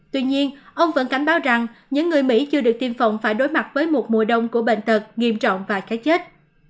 tuy nhiên ông vẫn cảnh báo rằng những người mỹ chưa được tiêm phòng phải đối mặt với một mùa đông của bệnh tật nghiêm trọng và cái chết